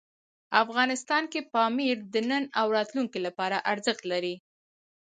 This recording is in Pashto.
افغانستان کې پامیر د نن او راتلونکي لپاره ارزښت لري.